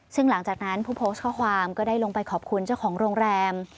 ซึ่งหลังจากนั้นผู้โพสต์ข้อความก็ได้ลงไปขอบคุณเจ้าของโรงแรม